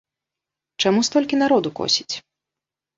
Чаму столькі народу косіць?